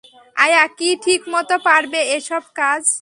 আয়া কি ঠিকমত পারবে এ-সব কাজ।